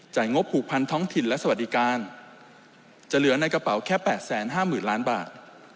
งบผูกพันท้องถิ่นและสวัสดิการจะเหลือในกระเป๋าแค่๘๕๐๐๐ล้านบาท